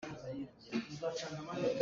A nu a thi i kan hramh.